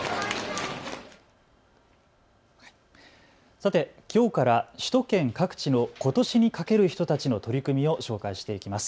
さて、きょうから首都圏各地のことしにかける人たちの取り組みを紹介していきます。